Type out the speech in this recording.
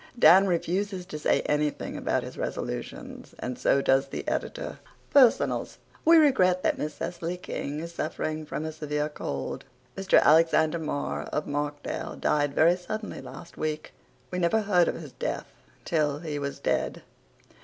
Dan refuses to say anything about his resolutions and so does the editor. PERSONALS We regret that Miss Cecily King is suffering from a severe cold. Mr. Alexander Marr of Markdale died very suddenly last week. We never heard of his death till he was dead.